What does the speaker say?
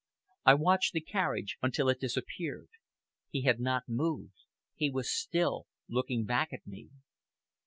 I watched the carriage until it disappeared. He had not moved. He was still looking back at me.